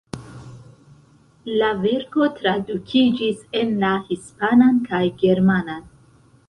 La verko tradukiĝis en la hispanan kaj germanan.